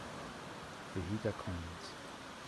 Vihiga Queens